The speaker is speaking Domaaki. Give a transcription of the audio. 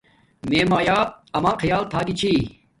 میے مایآ اما خیال تھاگی چھی